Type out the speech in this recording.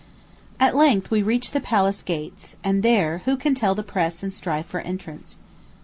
At length we reach the palace gates; and there, who can tell the press and strife for entrance.